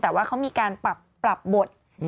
แต่ว่าเขามีการปรับบท